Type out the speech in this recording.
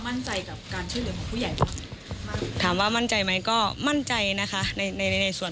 มั่นใจกับการช่วยเหลือของผู้ใหญ่บ้างถามว่ามั่นใจไหมก็มั่นใจนะคะในในส่วน